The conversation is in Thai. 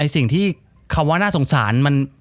สิ่งที่คำว่าน่าสงสาร